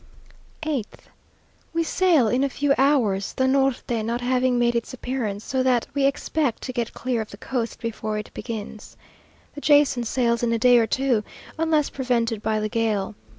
8th. We sail in a few hours, the norte not having made its appearance, so that we expect to get clear of the coast before it begins. The Jason sails in a day or two, unless prevented by the gale.